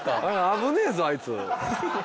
危ねえぞあいつ。